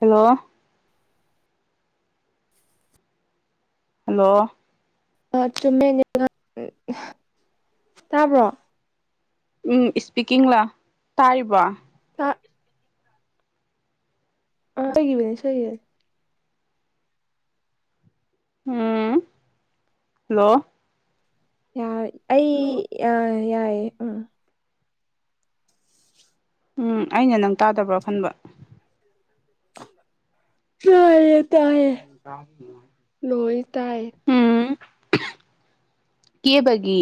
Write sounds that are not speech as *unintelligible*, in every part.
hello hello *unintelligible* ꯇꯥꯕ꯭ꯔꯣ ꯎꯝ speaking ꯂ ꯇꯥꯔꯤꯕꯣ ꯍꯣꯏ ꯑ ꯑꯩꯒꯤ ꯑꫭꯏꯅꯁꯨ ꯎꯝ ꯍꯜꯂꯣ ꯌꯥ ꯑꯩ ꯌꯥ ꯌꯥꯏꯌꯦ ꯎꯝ ꯎꯝ ꯑꯩꯅ ꯅꯪ ꯇꯥꯗꯕ꯭ꯔꯥ ꯈꯟꯕ *inaudible* ꯆꯥꯏꯌ‌ꯦ ꯇꯥꯏꯌꯦ *unintelligible* ꯎꯝ ꯀꯦꯕꯒꯤ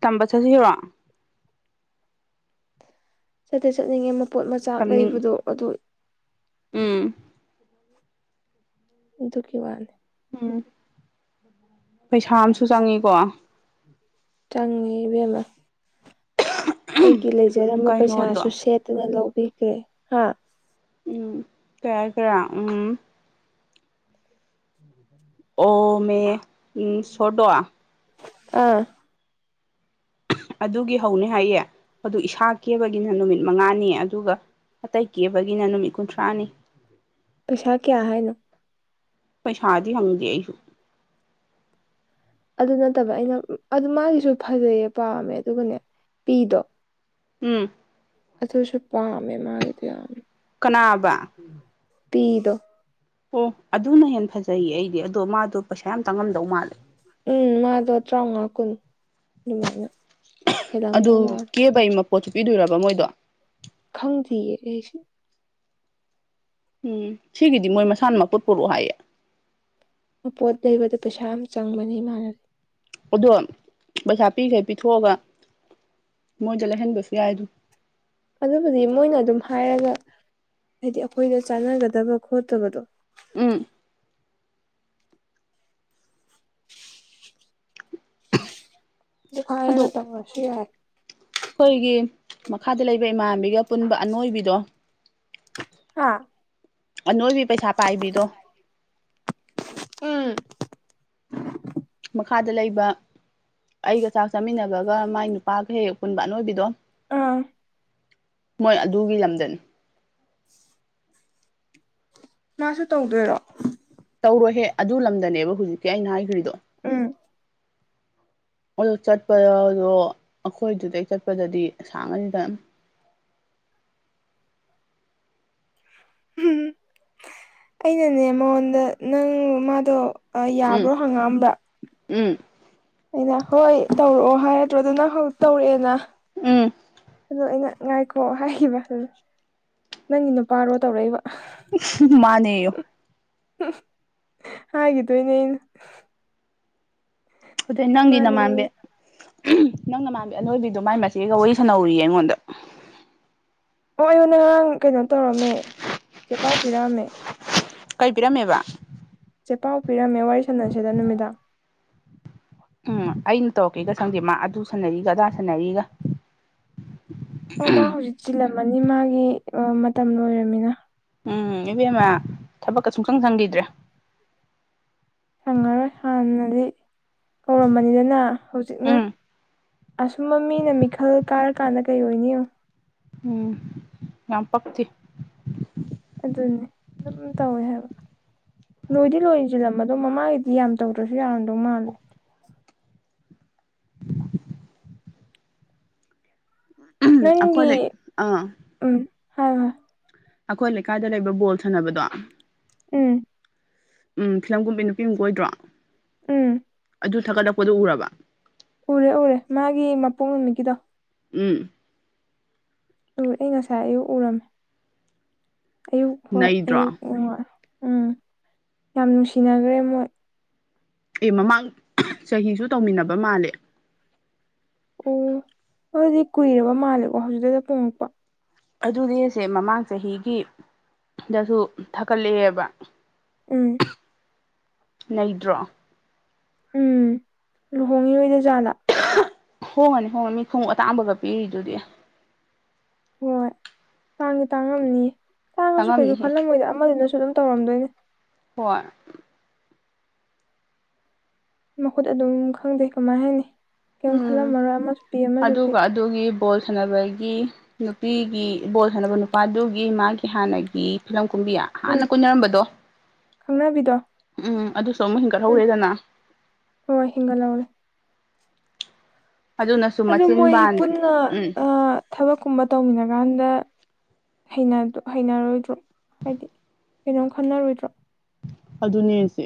ꯇꯝꯕ ꯆꯠꯁꯤꯂꯨꯔꯣ ꯆꯠꯇꯤ ꯆꯠꯅꯤꯡꯉꯦ ꯃꯄꯣꯠ ꯃꯆꯥꯛ ꯇꯝꯅꯤꯡ ꯂꯩꯕꯗꯣ ꯑꯗꯨ ꯎꯝ ꯑꯗꯨꯒꯤ ꯋꯥꯅꯦ ꯎꯝ ꯄꯩꯁꯥ ꯑꯃꯁꯨ ꯆꯪꯉꯤꯀꯣ ꯆꯪꯉꯤ ꯏꯕꯦꯝ ꯑꯃ ꯑꯩꯒꯤ ꯂꯩꯖꯔꯝꯕ ꯄꯩꯁꯥꯁꯨ ꯀꯩꯅꯣꯗꯣ ꯁꯦꯠꯇꯅ ꯂꯧꯕꯤꯒ꯭ꯔꯦ ꯍꯥ ꯎꯝ ꯀꯩ ꯍꯥꯏꯁꯤꯔꯥ ꯎꯝ ꯑꯣ ꯃꯤꯌꯦ ꯎꯝ ꯁꯣꯔꯗꯣ ꯑꯥ ꯑꯗꯨꯒꯤ ꯍꯧꯅꯤ ꯍꯥꯏꯌꯦ ꯑꯗꯨ ꯏꯁꯥ ꯀꯦꯕꯒꯤꯅ ꯅꯨꯃꯤꯠ ꯃꯉꯥꯅꯤ ꯑꯗꯨꯒ ꯑꯇꯩ ꯀꯦꯕꯒꯤꯅ ꯅꯨꯃꯤꯠ ꯀꯨꯟꯊ꯭ꯔꯥꯅꯤ ꯄꯩꯁꯥ ꯀꯌꯥ ꯍꯥꯏꯅꯣ ꯄꯩꯁꯥꯗꯤ ꯍꯪꯗꯦ ꯑꯩꯁꯨ ꯑꯗꯨ ꯅꯠꯇꯕ ꯑꯩꯅ ꯑꯗꯨ ꯃꯥꯒꯤꯁꯨ ꯐꯖꯩꯌꯦ ꯄꯥꯝꯃꯦ ꯑꯗꯨꯒꯅꯦ ꯄꯤꯗꯣ ꯎꯝ ꯑꯗꫭꯏꯁꯨ ꯄꯥꯝꯃꯦ ꯃꯥꯒꯤꯗꫭ ꯌꯥꯝꯅ ꯀꯅꯥꯑꯕꯥ ꯄꯤꯗꯣ ꯑꯣ ꯑꯗꯨꯅ ꯍꯦꯟꯅ ꯐꯖꯩꯌꯦ ꯑꯩꯗꯤ ꯑꯗꯣ ꯃꯥꯗꯣ ꯄꯩꯁꯥ ꯌꯥꯝ ꯇꯪꯉꯝꯗꯧ ꯃꯥꯜꯂꯦ ꯎꯝ ꯃꯥꯗꯣ ꯇꯔꯥꯃꯉꯥ ꯀꯨꯟ ꯑꯗꯨꯃꯥꯏꯅ ꯑꯗꯨ ꯍꯦꯜꯂꯝꯗꯧ ꯃꯥꯜꯂꯦ ꯀꯦꯕꯩ ꯃꯄꯣꯠꯁꯨ ꯄꯤꯗꯣꯏꯔꯕ ꯃꯣꯏꯗꯣ ꯈꯪꯗꯤꯌꯦ ꯑꯩꯁꯨ ꯎꯝ ꯁꯤꯒꯤꯗꯤ ꯃꯣꯏ ꯃꯁꯥꯅ ꯃꯄꫭꯠ ꯄꯨꯔꯛꯑꯣ ꯍꯥꯏꯌꯦ ꯃꯄꯣꯠ ꯂꯩꯕꯗ ꯄꯩꯁꯥ ꯑꯃ ꯆꯪꯕꯅꯤ ꯃꯥꯟ ꯑꯗꯣ ꯄꯩꯁꯥ ꯄꯤꯈꯩ ꯄꯤꯊꯣꯛꯑꯒ ꯃꯣꯏꯗ ꯂꯩꯍꯟꯕꯁꯨ ꯌꯥꯏ ꯑꯗꯨꯝ ꯑꯗꯨꯕꯨꯗꯤ ꯃꯣꯏꯅ ꯑꯗꯨꯝ ꯍꯥꯏꯔꯒ ꯍꯥꯏꯗꯤ ꯑꯩꯈꯣꯏꯗ ꯆꯥꯟꯅꯒꯗꯕ ꯈꯣꯠꯇꯕꯗꯣ ꯎꯝ ꯑꯗꯨ ꯍꯥꯏꯔꯒ ꯇꯧꯔꯁꯨ ꯌꯥꯔ ꯑꯩꯈꯣꯏꯒꯤ ꯃꯈꯥꯗ ꯂꯩꯕ ꯏꯃꯥꯟꯕꯤꯒ ꯄꯨꯟꯕ ꯑꯅꯣꯏꯕꯤꯗꯣ ꯍꯥꯥ ꯑꯅꯣꯏꯕꯤ ꯄꯩꯁꯥ ꯄꯥꯏꯕꯤꯗꯣ *inaudible* ꯎꯝ ꯃꯈꯥꯗ ꯂꯩꯕ ꯑꯩꯒ ꯆꯥꯛ ꯆꯥꯃꯤꯟꯅꯕꯒ ꯃꯥꯏ ꯅꯨꯄꯥꯒ ꯍꯦꯛ ꯍꯦꯛ ꯄꯨꯨꯟꯕ ꯑꯅꯣꯏꯕꯤꯗꯣ ꯎꯝ ꯃꯣꯏ ꯑꯗꯨꯒꯤ ꯂꯝꯗꯅꯤ ꯎꯝ ꯅꯪꯁꯨ ꯇꯧꯗꯣꯏꯔꯣ ꯇꯧꯔꯣꯏꯍꯦ ꯑꯗꯨ ꯂꯝꯗꯅꯦꯕ ꯍꯧꯖꯤꯛꯇꯤ ꯑꯩꯅ ꯍꯥꯏꯈ꯭ꯔꯤꯗꯣ ꯎꯝ *inaudible* ꯑꯣꯏ ꯆꯠꯄ ꯌꯥꯑꯣꯏ ꯑꯗꯣ ꯑꯩꯈꯣꯏꯗꯨꯗꯩ ꯆꯠꯄꯗꯗꯤ ꯑꯁꯥꯡꯉꯅꯤꯗ ꯎꯝ ꯑꯩꯅꯅꯦ ꯃꯉꯣꯟꯗ ꯅꯪ ꯃꯗꯣ ꯎꯝ ꯌꯕ꯭ꯔꯣ ꯍꯪꯒꯥꯝꯕ ꯎꯝ ꯑꯩꯅ ꯍꯣꯏ ꯇꯧꯔꯛꯑꯣ ꯍꯥꯏꯔꯗ꯭ꯔꯣ ꯑꯗꯨ ꯅꯪ ꯍꯧꯖꯤꯛ ꯇꯧꯔꯛꯑꯦꯅ ꯎꯝ ꯑꯗꯣ ꯑꯩꯅ ꯉꯥꯏꯈꯣ ꯍꯥꯏꯈꯤꯕ ꯅꯪꯒꯤ ꯅꯨꯄꯔꯣ ꯇꯧꯔꯛꯏꯕ ꯃꯥꯅꯦꯌꯣ ꯍꯥꯏꯒꯤꯗꯣꯏꯅꯤ ꯑꯩꯅ ꯑꯗꯨꯗꯤ ꯅꯪꯒꯤ ꯃꯥꯅꯦ ꯅꯃꯥꯟꯅꯕꯤ ꯅꯪ ꯅꯃꯥꯟꯕꯤ ꯑꯅꯣꯏꯕꯤꯗꯣ ꯃꯥꯏ ꯃꯆꯦꯒ ꯋꯔꯤ ꯁꯅꯧꯑꯣꯌꯦ ꯑꯩꯉꯣꯟꯗ *unintelligible* ꯀꯩꯅꯣ ꯇꯧꯔꯝꯃꯦ ꯆꯦ ꯄꯥꯎ ꯄꯤꯔꯝꯃꯦ ꯀꯩꯄꯤꯔꯝꯃꯦꯕ ꯆꯦꯄꯥꯎ ꯄꯤꯔꯝꯃꯦ ꯋꯥꯔꯤ ꯁꯥꯟꯅꯁꯦꯅ ꯅꯨꯃꯤꯗꯥꯡ ꯎꯝ ꯑꯩꯅ ꯇꯧꯔꯛꯀꯦꯒ ꯁꯪꯗꯦ ꯃꯥ ꯑꯗꯨ ꯁꯥꯟꯅꯔꯤꯒ ꯑꯗꯥ ꯁꯥꯟꯅꯔꯤꯒ ꯑꯣ ꯃꯥ ꯍꯧꯖꯤꯛ ꯆꯤꯜꯂꯝꯃꯅꯤ ꯃꯥꯒꯤ ꯃꯇꯝ ꯂꯣꯏꯔꯃꯤꯅ ꯎꯝ ꯏꯕꯦꯝꯃ ꯊꯕꯛꯀ ꯁꯨꯡꯁꯪ ꯁꯪꯈꯤꯗ꯭ꯔꯦ ꯁꯪꯉꯔꯣꯏ ꯍꯥꯟꯅꯗꯤ ꯀꯧꯔꯝꯕꯅꯤꯅ ꯍꯧꯖꯤꯛꯅ ꯎꯝ ꯑꯁꯨꯝꯕ ꯃꯤꯅ ꯃꯤꯈꯜ ꯀꯥꯔꯀꯥꯟꯗ ꯀꯩ ꯑꯣꯏꯅꯤ ꯌꯦꯡꯉꯨ ꯎꯝ ꯌꯥꯝ ꯄꯛꯇꯦ ꯑꯗꯨꯅꯤ ꯑꯗꯨꯝ ꯇꯧꯋꯦ ꯍꯏꯕ ꯂꯣꯏꯗꯤ ꯂꯣꯏꯁꯤꯜꯂꯝꯃꯗꯣ ꯃꯃꯥꯒꯤꯗꯤ ꯌꯥꯝ ꯇꯧꯗ꯭ꯔꯁꯨ ꯌꯔꯝꯗꯧ ꯃꯥꯜꯂꯦ *inaudible* ꯑꯩꯈꯣꯏ ꯅꯪꯒꯤ ꯂꯩ ꯑꯥ ꯎꯝ ꯍꯥꯏꯔꯣ ꯑꯩꯈꯣꯏ ꯂꯩꯀꯥꯏꯗ ꯂꯩꯕ ꯕꯣꯜ ꯁꯥꯟꯅꯕꯗꯣ ꯎꯝ ꯎꯝ ꯐꯤꯂꯝꯀꯨꯝꯕꯤ ꯅꯨꯄꯤ ꯑꯃ ꯀꯣꯏꯗ꯭ꯔꯣ ꯎꯝ ꯑꯗꯨ ꯊꯒꯠꯂꯛꯄꯗꯨ ꯎꯔꯕ ꯎꯔꯦ ꯎꯔꯦ ꯃꯒꯤ ꯃꯄꯣꯛ ꯅꯨꯃꯤꯠꯀꯤꯗꯣ ꯎꯝ ꯎꯔ ꯑꯩ ꯉꯁꯥꯏ ꯑꯌꯨꯛ ꯎꯔꯝꯃꯦ ꯑꯌꯨꯛ ꯍꯣꯏ ꯅꯩꯗ꯭ꯔꯣ ꯑꯌꯨꯛ ꯎꯝ ꯌꯥꯝ ꯅꯨꯡꯁꯤꯅꯈ꯭ꯔꯦ ꯃꯣꯏ ꯑꯦ ꯃꯃꯥꯡ ꯆꯍꯤꯁꯨ ꯇꯧꯃꯤꯟꯅꯕ ꯃꯥꯜꯂꯦ ꯑꯣ ꯑꯗꯨꯗꯤ ꯀꯨꯏꯔꯕ ꯃꯥꯜꯂꯦꯀꯣ ꯍꯧꯖꯤꯛꯇꯗ ꯄꯣꯡꯉꯛꯄ ꯑꯗꯨꯅꯤ ꯑꯁꯦ ꯃꯃꯥꯡ ꯆꯍꯤꯒꯤ ꯗꯁꯨ ꯊꯥꯀꯠꯂꯛꯑꯦꯕ ꯎꯝ ꯅꯩꯗ꯭ꯔꯣ ꯎꯝ ꯂꯨꯍꯣꯡꯉꯤꯔꯣꯏꯗꯣꯏ ꯖꯥꯠꯂ ꯍꯣꯡꯉꯅꯤ ꯍꯣꯡꯉꯅꯤ ꯃꯤ ꯈꯣꯡꯎꯞ ꯑꯇꯥꯡꯕꯒ ꯄꯤꯔꯤꯗꯨꯗꯤ ꯍꯣꯏ ꯇꯥꯡꯗꯤ ꯇꯥꯡꯉꯝꯅꯤ ꯇꯥꯡꯉꯁꯨ ꯀꯩꯁꯨ ꯆꯪꯉꯝꯅꯤꯍꯦ ꯈꯜꯂꯝꯃꯣꯏꯗ ꯑꯃꯗꯨ ꯅꯁꯨ ꯑꯗꯨꯝ ꯇꯧꯔꯝꯗꯣꯏꯅꯦ ꯍꯣꯏ ꯃꯈꯨꯠ ꯑꯗꯨꯝ ꯈꯪꯗꯦ ꯀꯃꯥꯏ ꯍꯥꯏꯅꯤ ꯀꯩꯝ ꯎꯝ ꯈꯜꯂꯝꯃꯔꯣꯏ ꯑꯃꯁꯨ ꯄꯤ ꯑꯃꯁꯨ ꯄꯤ ꯑꯗꯨꯒ ꯑꯗꯨꯒꯤ ꯕꯣꯜ ꯁꯥꯟꯅꯕꯒꯤ ꯅꯨꯄꯤꯒꯤ ꯕꯣꯜ ꯁꯥꯅꯕ ꯅꯨꯄꯗꯨꯒꯤ ꯃꯒꯤ ꯍꯥꯟꯅꯒꯤ ꯐꯤꯂꯝ ꯀꯨꯝꯕꯤꯌꯥ ꯎꯝ ꯍꯥꯟꯅ ꯀꯣꯏꯅꯔꯝꯕꯗꯣ ꯈꯪꯅꯕꯤꯗꯣ ꯎꯝ ꯑꯗꯨꯁꯨ ꯑꯃꯨꯛ ꯎꯝ ꯍꯦꯟꯒꯠꯍꯧꯔꯦꯗꯅ ꯍꯣꯏ ꯍꯤꯡꯒꯠꯂꯧꯔꯦ ꯑꯗꯨꯅꯁꯨ ꯑꯗꯨ ꯃꯆꯤꯟ ꯃꯣꯏ ꯕꯥꯟ ꯄꯨꯟꯅ ꯎꯝ ꯑ ꯊꯕꯛꯀꯨꯝꯕ ꯇꯧꯃꯤꯟꯅ ꯀꯥꯟꯗ ꯍꯩꯅ ꯍꯩꯅꯔꯣꯏꯗ꯭ꯔꯣ ꯍꯥꯏꯗꯤ ꯀꯩꯅꯣꯝ ꯈꯟꯅꯔꯣꯏꯗ꯭ꯔꯣ ꯑꯗꯨꯅꯦꯁꯦ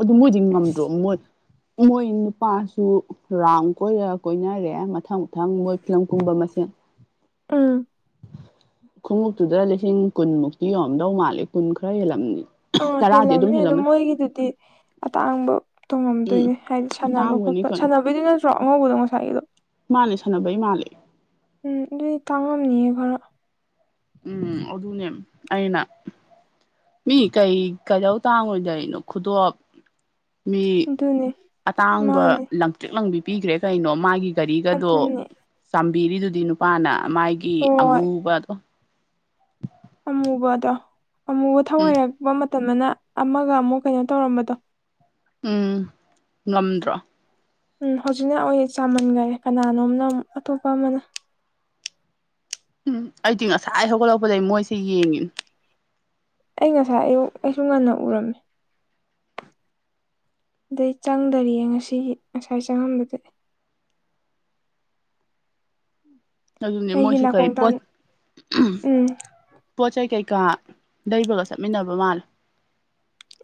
ꯑꯗꯨ ꯃꯣꯏꯗꯤ ꯉꯝꯗ꯭ꯔꯣ ꯑꯁ ꯃꯣꯏ ꯃꯣꯏ ꯅꯨꯄꯥꯁꯨ ꯔꯥꯎꯟ ꯀꯣꯏꯔ ꯀꯣꯏꯅꯔꯦ ꯃꯊꯪ ꯃꯊꯪ ꯃꯣꯏ ꯐꯤꯂꯝ ꯀꯨꯝꯕ ꯃꯁꯦꯟ ꯑꯝ ꯈꯣꯡꯎꯞꯇꯨꯗ ꯂꯤꯁꯤꯡ ꯀꯨꯟꯃꯨꯛꯇꯤ ꯌꯧꯝꯗꯧ ꯃꯥꯜꯂꯦ ꯀꯨꯟ ꯈꯔ ꯍꯦꯜꯂꯝꯅꯤ ꯑ ꯍꯂ ꯇꯔꯥꯗꯤ ꯑꯗꯨꯝ ꯑꯃꯅꯤꯅꯦ ꯑꯗꯨ ꯍꯦꯜꯂꯝꯃꯅꯤ ꯃꯔꯒꯗꯨꯗꯤ ꯑꯇꯥꯡꯕ ꯎꯝ ꯇꯣꯡꯉꯝꯗꯣꯏꯅꯦ ꯍꯥꯏꯗꯤ ꯁꯥꯟꯅꯕ ꯑꯇꯥꯡꯕꯅꯤ ꯈꯣꯠꯄ ꯀꯩꯅꯣ ꯁꯥꯟꯅꯕꯩꯗꯨ ꯅꯠꯇ꯭ꯔꯣ ꯑꯉꯧꯕꯗꯣ ꯉꯁꯥꯏꯒꯤꯗꯣ ꯃꯥꯜꯂꯦ ꯁꯥꯟꯅꯕꯩ ꯃꯥꯜꯂ ꯎꯝ ꯑꯗꯨꯗꯤ ꯇꯥꯡꯉꯝꯅꯤꯌꯦ ꯈꯔ ꯎꯝ ꯑꯣꯗꯅꯦ ꯑꯏꯩꯅ ꯃꯤ ꯀꯩ ꯀꯩꯗꯧ ꯇꯥꯡꯉꯣꯏꯗꯣꯔꯤꯅꯣ ꯈꯨꯗꯣꯞ ꯃꯤ ꯑꯗꯨꯅꯦ ꯑꯇꯥꯡꯕ ꯃꯥꯅꯦ ꯂꯝ ꯄꯤꯛ ꯂꯪꯕꯤ ꯄꯈ꯭ꯔꯦ ꯀꯩꯅꯣ ꯃꯥꯒꯤ ꯒꯥꯔꯤꯒꯗꯣ ꯑꯗꯨꯅꯦ ꯆꯥꯝꯕꯤꯔꯤꯗꯨꯗꯤ ꯅꯨꯄꯥꯅ ꯃꯥꯒꯤ ꯀ ꯍꯣꯏ ꯑꯃꯨꯕꯗꯣ ꯑꯃꯨꯕꯗꯣ ꯑꯃꯨꯕ ꯊꯧ ꯎꯝ ꯍꯩꯔꯛꯄ ꯃꯇꯝꯗꯅ ꯑꯃꯒ ꯑꯃꯨꯛ ꯀꯩꯅꯣ ꯇꯧꯔꯝꯕꯗꯣ ꯎꯝ ꯉꯝꯗ꯭ꯔꯣ ꯎꯝ ꯍꯧꯖꯤꯛꯅ ꯑꯩ ꯆꯥꯃꯟꯈꯔꯦ ꯀꯅꯥꯅꯣꯝꯅ ꯑꯃꯛ ꯑꯇꯣꯞꯄ ꯑꯃꯅ ꯎꯝ ꯑꯩꯗꯤ ꯉꯁꯥꯏ ꯍꯧꯒꯠꯂꯛꯄꯗꯒꯤ ꯃꯣꯏꯁꯦ ꯌꯦꯡꯉꯤꯅꯦ ꯑꯩ ꯉꯁꯥꯏ ꯑꯌꯨꯛ ꯑꯩꯁꯨ ꯉꯟꯅ ꯎꯔꯝꯃꯦ ꯑꯗꯩ ꯆꯪꯗꯔꯤꯌꯦ ꯉꯁꯤꯒꯤ ꯉꯁꯥꯏ ꯆꯪꯉꯝꯕꯗ ꯑꯗꯨꯅꯦ ꯑꯩꯒꯤ ꯃꯣꯏꯁꯨ ꯀꯩ ꯅꯥꯀꯣꯡ ꯇꯥꯟ ꯄꯣꯠ ꯎꯝ ꯄꯣꯠ ꯆꯩ ꯀꯩꯀꯥ ꯂꯩꯕꯒ ꯆꯠꯃꯤꯟꯅꯕ ꯃꯥꯜꯂꯦ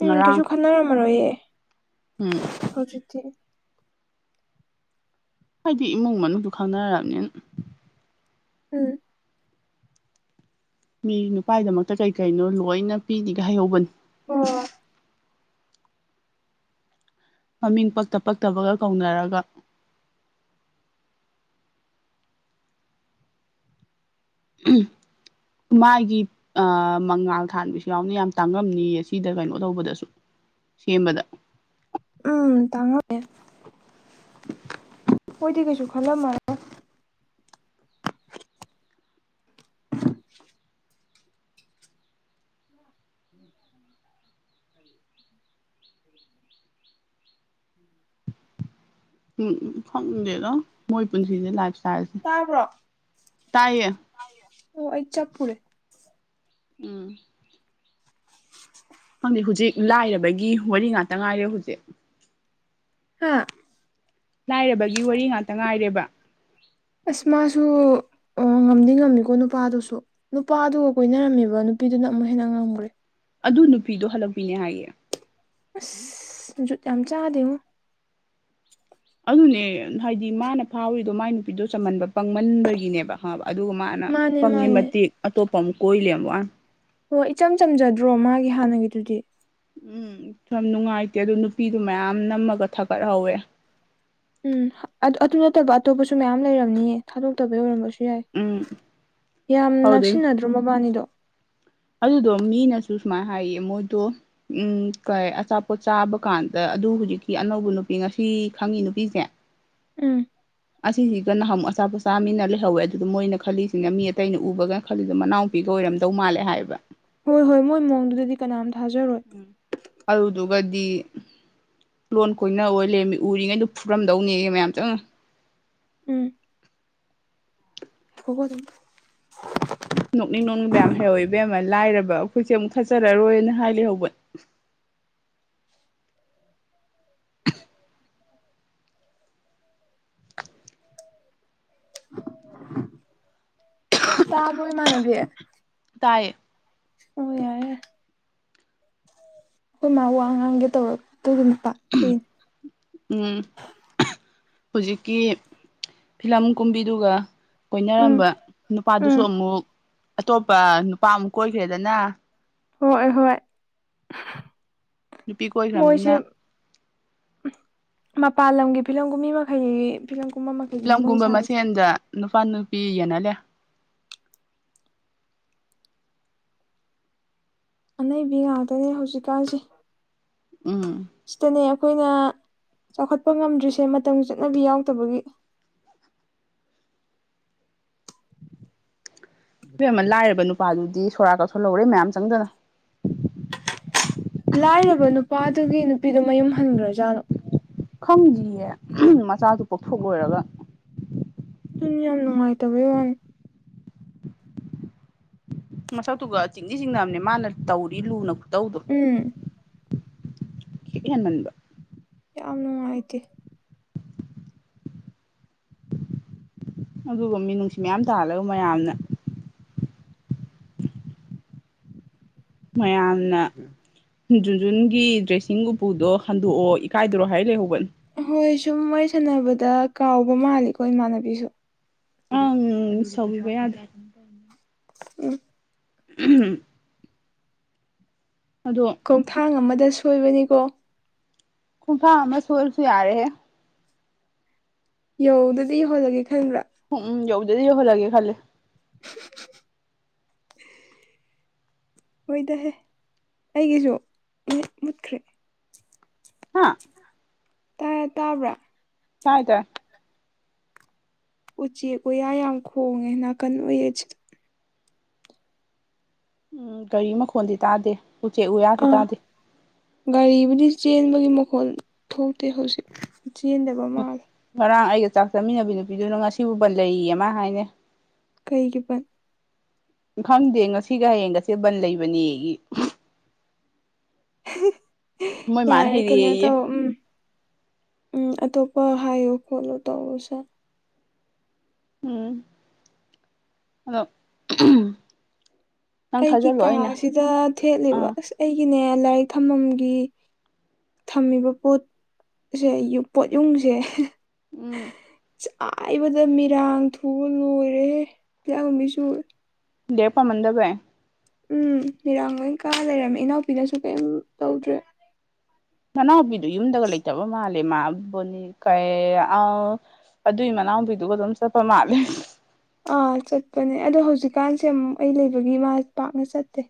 ꯎꯝ ꯀꯩꯁꯨ ꯉꯔꯥꯡ ꯈꯟꯅꯔꯝꯃꯔꯣꯏꯌꯦ ꯎꯝ ꯍꯧꯖꯤꯛꯇꯤ ꯍꯥꯏꯗꯤ ꯏꯃꯨꯡ ꯃꯅꯨꯡꯗꯨ ꯈꯪꯅꯔꯕꯅꯤꯅ ꯎꯝ ꯃꯤ ꯅꯨꯄꯥꯥꯏꯗꯃꯛꯇ ꯀꯩ ꯀꯩꯅꯣ ꯂꯣꯏꯅ ꯄꯤꯔꯤꯒ ꯍꯥꯏꯍꯧꯕꯅꯤ ꯑꯣ ꯃꯃꯤꯡ ꯄꯛꯇ ꯄꯛꯇꯕꯒ ꯀꯧꯅꯔꯒ ꯃꯥꯒꯤ ꯑ ꯃꯉꯥꯜ ꯊꯥꯟꯕꯤꯁꯨ ꯌꯥꯎꯅꯤ ꯌꯥꯝ ꯇꯥꯡꯉꯝꯅꯤꯌꯦ ꯁꯤꯗ ꯀꯩꯅꯣ ꯇꯧꯕꯗꯁꯨ ꯁꯤ ꯑꯃꯗ ꯎꯝ ꯇꯥꯡꯉꯦ ꯍꯣꯏꯗꯤ ꯀꯩꯁꯨ ꯈꯜꯂꯝꯃꯦ *inaudible* ꯎꯝ ꯎꯝ ꯎ ꯈꯪꯗꯦꯗꯣ ꯃꯣꯏ ꯄꯨꯟꯁꯤꯁꯦ ꯂꯥꯏꯞ ꯏꯁꯇꯥꯏꯜꯁꯦ ꯇꯥꯕ꯭ꯔꯣ ꯇꯥꯏꯌꯦ ꯑꯣ ꯑꯩ ꯆꯞꯄꯨꯔꯦ ꯎꯝ ꯈꯪꯗꯦ ꯍꯧꯖꯤꯛ ꯂꯥꯏꯔꯕꯒꯤ ꯋꯥꯔꯤ ꯉꯥꯛꯇ ꯉꯥꯏꯔꯦ ꯍꯧꯖꯤꯛ ꯍꯥꯥ ꯂꯥꯏꯔꯕꯒꯤ ꯋꯥꯔꯤ ꯉꯥꯛꯇ ꯉꯥꯏꯔꯦꯕ ꯑꯁꯃꯁꯨ ꯑꯣ ꯉꯝꯗꯤ ꯉꯝꯃꯤꯀꯣ ꯅꯨꯄꯥꯗꯨꯁꯨ ꯅꯨꯄꯥꯗꯨꯒ ꯀꯣꯏꯅꯔꯝꯃꯦꯕ ꯅꯨꯄꯤꯗꯨꯅ ꯑꯃꯨꯛ ꯍꯦꯟꯅ ꯉꯝꯈ꯭ꯔꯦ ꯑꯗꯨ ꯅꯨꯄꯤꯗꯣ ꯍꯜꯂꯛꯄꯤꯅꯦ ꯍꯥꯏꯌꯦ ꯑꯁ ꯨ ꯌꯥꯝ ꯆꯥꯗꯦꯉ ꯑꯗꯨꯅꯦ ꯍꯥꯏꯗꯤ ꯃꯥꯅ ꯐꯥꯎꯔꯤꯗꯣ ꯃꯥꯏ ꯅꯨꯄꯤꯗꯣ ꯆꯝꯃꯟꯕ ꯄꯪꯃꯟꯕꯒꯤꯅꯦꯕ ꯑꯕ ꯑꯗꯨꯒ ꯃꯥꯅ ꯃꯥꯅꯦ ꯄꯪꯒꯤ ꯃꯥꯅꯦ ꯃꯇꯤꯦꯛ ꯑꯇꯣꯞꯄ ꯑꯃꯨꯛ ꯀꯣꯏꯂꯦꯕ ꯋꯥꯅ ꯑꯣ ꯏꯆꯝ ꯆꯝꯖꯗ꯭ꯔꯣ ꯃꯥꯒꯤ ꯍꯥꯟꯅꯒꯤꯗꯨꯗꯤ ꯎꯝ ꯁ ꯅꯨꯡꯉꯥꯏꯇꯦ ꯑꯗꯨ ꯅꯨꯄꯤꯗꯨ ꯃꯌꯥꯝ ꯅꯝꯃꯒ ꯊꯥꯒꯠꯍꯧꯋꯦ ꯎꯝ ꯑꯗꯨ ꯅꯠꯇꯕ ꯑꯇꯣꯞꯄꯁꯨ ꯃꯌꯥꯝ ꯂꯩꯔꯝꯅꯤꯌꯦ ꯊꯥꯗꯣꯛꯇꯕ ꯌ ꯑꯣꯏꯔꯝꯕꯁꯨ ꯌꯥꯏ ꯎꯝ ꯌꯥꯝ ꯍꯧꯗꯩ ꯅꯛꯁꯤꯟꯅꯗ꯭ꯔꯣ ꯃꯕꯥꯅꯤꯗꯣ ꯑꯗꯨꯗꯣ ꯃꯤꯅꯁꯨ ꯁꯨꯃꯥꯏꯅ ꯍꯥꯏꯌꯦ ꯃꯣꯏꯗꯣ ꯎꯝ ꯀꯩ ꯑꯆꯥꯄꯣꯠ ꯆꯥꯕ ꯀꯥꯟꯗ ꯑꯗꯨ ꯍꯧꯖꯤꯛꯀꯤ ꯑꯅꯧꯕ ꯅꯨꯄꯤ ꯉꯁꯤ ꯈꯪꯉꯤ ꯅꯨꯄꯤꯁꯦ ꯎꯝ *inaudible* ꯑꯁꯤꯁꯤꯒ ꯅꯍꯥꯨ ꯑꯆꯥꯄꯣꯠ ꯆꯥ ꯃꯤꯟꯅ ꯂꯩꯍꯧꯋꯦ ꯑꯗꯨꯗ ꯃꯣꯏꯅ ꯈꯜꯂꯤꯁꯤꯅ ꯃꯤ ꯑꯇꯩꯅ ꯎꯕꯒ ꯈꯜꯂꯤꯗꯣ ꯃꯅꯥꯎꯄꯤꯒ ꯑꯣꯏꯔꯝꯗꯧ ꯃꯥꯜꯂꯦ ꯍꯥꯏꯕ ꯍꯣꯏ ꯍꯣꯏ ꯃꯣꯏ ꯃꯑꯣꯡꯗꯨꯗꯗꯤ ꯀꯅꯥꯝꯇ ꯊꯥꯖꯔꯣꯏ ꯑꯗꯨꯗꯨꯒꯗꯤ ꯂꯣꯟ ꯀꯣꯏꯅ ꯑꯣꯏ ꯂꯩꯔꯃꯤ ꯎꯔꯤꯉꯩꯗꯨ ꯐꯨꯔꯝꯗꯧꯅꯦ ꯃꯌꯥꯝ ꯆꯪꯉ ꯎꯝ ꯍꯒꯣ ꯑꯗꯨꯝ ꯅꯣꯛꯅꯤꯡ ꯅꯅꯨꯡꯅꯤꯡ ꯃꯌꯥꯝ ꯍꯩꯍꯋꯏꯕꯌꯥꯝ ꯑꯃ ꯂꯥꯏꯔꯕ ꯑꯩꯈꯣꯏꯁꯦ ꯑꯃꯨꯛ ꯈꯠꯆꯔꯔꯣꯏꯅ ꯍꯥꯏꯂ ꯍꯧꯕ *inaudible* *inaudible* *inaudible* ꯇꯥꯕꯔꯣ ꯏꯃꯥꯟꯅꯕꯤ ꯇꯌꯦ ꯍ ꯌꯥ *unintelligible* ꯍꯣꯏ ꯃꯥ ꯋꯥ ꯉꯥꯡꯒꯦ ꯇꯧꯔꯛꯇ ꯑꯗꯨꯝ ꯄꯥꯛꯊꯣꯛꯏꯅꯦ ꯎꯝ ꯍꯧꯖꯤꯛꯀꯤ ꯐꯤꯂꯝ ꯀꯨꯝꯕꯤꯗꯨꯒ ꯎꯝ ꯀꯣꯏꯅꯔꯝꯕ ꯅꯨꯄꯥꯗꯨꯁꯨ ꯎꯝ ꯑꯃꯨꯛ ꯑꯇꯣꯞꯄ ꯅꯨꯄꯥ ꯑꯃꯨꯛ ꯀꯣꯏꯈ꯭ꯔꯦꯗꯅ ꯍꯣꯏ ꯍꯣꯏ ꯅꯨꯄꯤ ꯃꯣꯏꯁꯦ ꯀꯣꯏꯈ꯭ꯔꯕꯅꯤꯅ ꯃꯄꯥꯟ ꯂꯝꯒꯤ ꯐꯤꯂꯝꯒꯨꯝ ꯃꯤ ꯃꯈꯩ ꯐꯤꯂꯝ ꯀꯨꯝꯕ ꯃꯈꯩꯅꯤ ꯃꯣꯏ ꯐꯤꯂꯝꯒꯨꯝꯕ ꯁꯥꯔꯤꯁꯦ ꯃꯁꯦꯟꯗ ꯅꯨꯄꯥ ꯅꯨꯄꯤ ꯌꯦꯅꯜꯂꯦ ꯑꯅꯩꯕꯤ ꯉꯥꯛꯇꯅꯦ ꯍꯧꯖꯤꯛꯀꯥꯟꯁꯦ ꯎꯝ ꯁꯤꯇꯅꯦ ꯑꯩꯈꯣꯏꯅ ꯆꯥꯎꯈꯠꯄ ꯉꯝꯗ꯭ꯔꯤꯁꯦ ꯃꯇꯝꯒꯤ ꯆꯠꯅꯕꯤ ꯌꯥꯎꯗꯕꯒꯤ ꯏꯕꯦꯝꯃ ꯂꯥꯏꯔꯕ ꯅꯨꯄꯥꯗꯨꯗꯤ ꯁꯣꯔꯥꯠ ꯀ ꯁꯣꯟꯍꯧꯔꯦ ꯃꯌꯥꯝ ꯆꯪꯗꯅ ꯂꯥꯏꯔꯕ ꯅꯨꯄꯥꯗꯨꯒꯤ ꯅꯨꯄꯤꯗꯨ ꯃꯌꯨꯝ ꯍꯟꯈ꯭ꯔꯖꯥꯠꯂꯣ ꯈꯪꯗ꯭ꯌꯦ ꯃꯆꯥꯗꯨ ꯄꯣꯛꯊꯣꯛꯂꯣꯏꯔꯒ ꯑꯗꯨꯅ ꯌꯥꯝ ꯅꯨꯡꯉꯥꯏꯇꯕꯩ ꯋꯥꯅꯤ ꯃꯁꯛꯇꯨꯒ ꯆꯤꯡꯗꯤ ꯆꯤꯡꯅꯕꯅꯦ ꯃꯥꯅ ꯇꯧꯔꯤ ꯂꯨꯅ ꯈꯨꯠꯇꯧꯗꯣ ꯎꯝ ꯈꯤꯠ ꯍꯦꯟꯃꯟꯕ ꯌꯥꯝ ꯅꯨꯡꯉꯥꯏꯇꯦ ꯑꯗꯨꯒ ꯃꯤꯅꯨꯡꯁꯤ ꯃꯌꯥꯝ ꯇꯥꯍꯜꯂꯒ ꯃꯌꯥꯝꯅ ꯃꯌꯥꯝꯅ ꯖꯨꯟꯖꯨꯟꯒꯤ ꯗ꯭ꯔꯦꯁꯤꯡ ꯎꯄꯨꯗꯣ ꯍꯟꯗꯣꯛꯑꯣ ꯏꯀꯥꯏꯗꯔꯣ ꯍꯥꯏ ꯂꯩꯍꯧꯕꯅꯦ ꯍꯣꯏ ꯁꯨꯝ ꯋꯥꯔꯤ ꯁꯥꯟꯅꯕꯗ ꯀꯥꯎꯕ ꯃꯥꯜꯂꯤꯀꯣ ꯏꯃꯥꯟꯅꯕꯤꯁꯨ ꯎꯝ ꯁꯧꯕꯤꯕ ꯑꯗ ꯎꯝ ꯎ *unintelligible* ꯑꯗꯣ ꯈꯣꯡꯊꯥꯡ ꯑꯃꯗ ꯁꯣꯏꯕꯅꯤꯀꯣ ꯍꯨꯡ ꯐ ꯃ ꯁꯣꯜꯁꯨ ꯌꯥꯔꯦ ꯌꯧꯗꯗꯤ ꯏ ꯌꯣꯜꯂꯒꯦ ꯈꯟꯕ꯭ꯔꯥ ꯎꯝ ꯎꯝ ꯌꯧꯗꯗꯤ ꯌꯍ ꯂꯒꯦ ꯈꯦ *unintelligible* ꯑꯣꯏꯗꯍꯦ ꯑꯩꯒꯤꯁꯨ ꯃꯨꯠꯈ꯭ꯔꯦ ꯍꯥꯥ ꯇꯥꯏ ꯇꯥꯕ꯭ꯔꯥ ꯇꯥꯏ ꯇꯥꯏ ꯎꯆꯦꯛ ꯎꯌꯥ ꯌꯥꯝ ꯈꯣꯡꯉꯦ ꯅꯥꯀꯟ ꯑꯣꯏꯌꯦ ꯑꯁꯤꯗꯣ ꯎꯝ ꯒꯥꯔꯤ ꯃꯈꯣꯟꯜꯗꯤ ꯇꯥꯗꯦ ꯎꯆꯦꯛ ꯎꯌꯥꯁꯨ ꯑꯥ ꯇꯥꯗꯦ ꯒꯥꯔꯤꯕꯨꯗꯤ ꯆꯦꯟꯕꯒꯤ ꯃꯈꯣꯜ ꯊꯣꯛꯇꯦ ꯍꯧꯖꯤꯛ ꯆꯦꯟꯗꯕ ꯃꯥꯜꯂꯦ ꯉꯔꯥꯡ ꯑꯩꯒ ꯆꯥꯛ ꯆꯥꯃꯤꯟꯅꯕꯤ ꯅꯨꯄꯤꯗꯨꯅ ꯉꯁꯤ ꯕꯟꯠ ꯂꯩꯌꯦꯌꯦ ꯃꯥ ꯍꯥꯏꯅꯦ ꯀꯩꯒꯤ ꯄꯟ *inaudible* ꯈꯪꯗꯦ ꯉꯁꯤꯒ ꯍꯌꯦꯡꯒꯁꯦ ꯕꯟ ꯂꯩꯕꯅꯦ ꯃꯣꯏ ꯃꯥꯅ ꯌꯥꯔꯦ ꯀꯩꯅꯣ ꯍꯩꯔꯛꯑꯦꯌꯦ ꯇꯧ ꯎꯝ ꯎꯝ ꯑꯇꯣꯞꯄ ꯍꯥꯏꯌꯣ ꯈꯣꯠꯂꯣ ꯇꯧꯑꯣ ꯁꯥ ꯎꯝ ꯑꯗꯣ ꯅꯪ ꯑꯩꯒꯤ ꯊꯥꯖꯜꯂꯣ ꯑꯩꯅ ꯀꯥꯁꯤꯗ ꯊꯦꯠꯂꯤꯕ ꯑꯥ ꯑꯁ ꯑꯩꯒꯤꯅꯦ ꯂꯥꯏꯔꯤꯛ ꯊꯝꯃꯝꯒꯤ ꯊꯝꯃꯤꯕ ꯄꯣꯠꯁꯦ ꯄꯣꯠ ꯌꯨꯡꯁꯦ ꯎꯝ ꯆꯥꯏꯕꯗ ꯃꯤꯔꯥꯡ ꯊꯨꯕ ꯂꯣꯏꯔꯦ ꯂ ꯃꯤꯁꯨ ꯗꯦꯄꯥ ꯃꯟꯗꯕ ꯎꯝ ꯃꯤꯔꯥꯡ ꯂꯣꯏ ꯀꯥ ꯂꯩꯔꯝꯃꯦ ꯏꯅꯥꯎꯄꯤꯅꯁꯨ ꯀꯩꯝ ꯇꯧꯗ꯭ꯔꯦ ꯃꯅꯥꯎꯄꯤꯗꯨꯣ ꯌꯨꯝꯗꯒ ꯂꯩꯇꯕ ꯃꯥꯜꯂꯦ ꯃꯥꯕꯅꯤ ꯀꯩ ꯑ ꯑꯗꯨꯏ ꯃꯅꯥꯎꯕꯤꯗꯨꯒ ꯑꯗꯨꯝ ꯆꯠꯄ ꯃꯥꯜꯂꯦ ꯑꯥ ꯆꯠꯄꯅꯦ ꯑꯗꯣ ꯍꯧꯖꯤꯛꯀꯥꯟꯁꯦ ꯑꯃꯨꯛ ꯑꯩ ꯂꯩꯕꯒꯤ ꯃꯥ ꯄꯥꯛꯅ ꯆꯠꯇꯦ